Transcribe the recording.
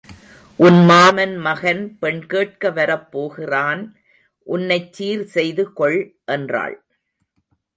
உன் மாமன் மகன் பெண் கேட்க வரப் போகிறான் உன்னைச் சீர் செய்து கொள் என்றாள்.